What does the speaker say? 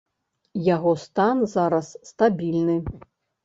Яго стан зараз стабільны.